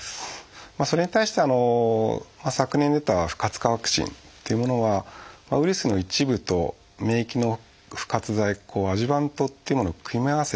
それに対して昨年出た「不活化ワクチン」っていうものはウイルスの一部と免疫の賦活剤「アジュバント」っていうものを組み合わせて。